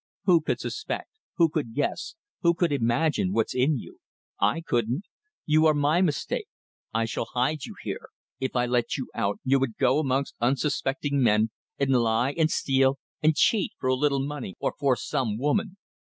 Who could suspect, who could guess, who could imagine what's in you? I couldn't! You are my mistake. I shall hide you here. If I let you out you would go amongst unsuspecting men, and lie, and steal, and cheat for a little money or for some woman.